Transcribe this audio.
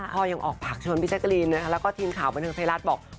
พ่อยังออกผากชวนพิชกรีนนะค่ะแล้วก็ทีมข่าวบันทึงเศรษฐ์บอก